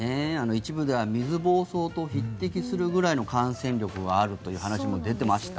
一部では水ぼうそうと匹敵するぐらいの感染力があるという話も出てました。